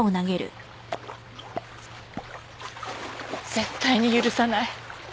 絶対に許さない。